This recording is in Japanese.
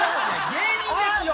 芸人ですよ！